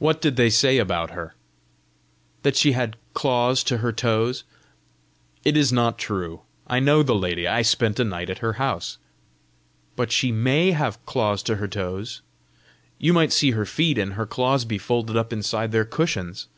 "What did they say about her?" "That she had claws to her toes." "It is not true. I know the lady. I spent a night at her house." "But she MAY have claws to her toes! You might see her feet, and her claws be folded up inside their cushions!"